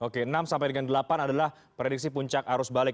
oke enam sampai dengan delapan adalah prediksi puncak arus balik